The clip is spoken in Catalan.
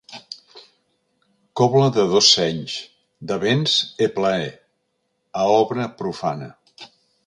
Cobla de dos senys «De béns e plaer», a Obra profana.